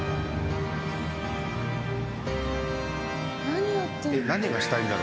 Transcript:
何やってんの？